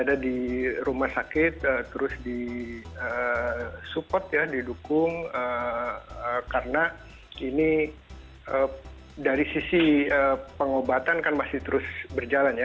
ada di rumah sakit terus disupport ya didukung karena ini dari sisi pengobatan kan masih terus berjalan ya